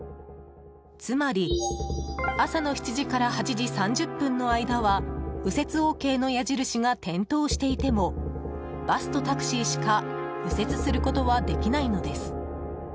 つまり朝の７時から８時３０分の間は右折ＯＫの矢印が点灯していてもバスとタクシーしか右折することはできないのです。